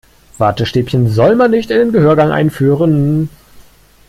Wattestäbchen soll man nicht in den Gehörgang einführen.